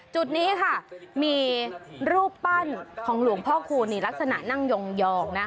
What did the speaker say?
จุดนี้ค่ะมีรูปปั้นของหลวงพ่อคูณนี่ลักษณะนั่งยองนะ